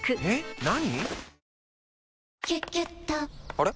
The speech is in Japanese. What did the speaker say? あれ？